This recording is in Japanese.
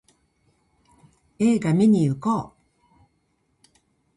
映画見にいこう